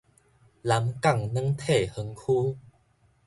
南港軟體園區